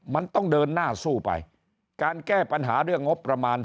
มันต้องเดินหน้าสู้ไปการแก้ปัญหาเรื่องงบประมาณ